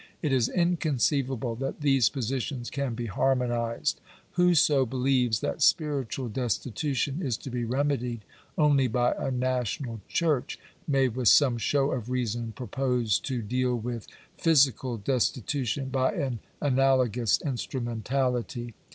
It is inconceivable that these positions can be harmonized. Whoso believes that spiritual destitution is to be remedied only by a national church, may with some show of reason propose to deal with physical destitution by an analogous instrumentality.